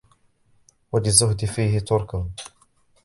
وَلِلزُّهْدِ فِيهِ تَرْكٌ